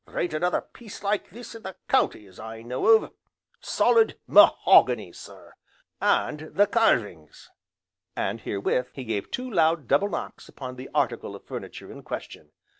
There ain't another piece like this in the county, as I know of, solid ma hogany, sir! and the carvings!" and herewith, he gave two loud double knocks upon the article of furniture in question.